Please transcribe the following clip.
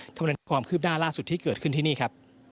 มันเป็นความคืบหน้าล่าสุดที่เกิดขึ้นที่นี่ครับ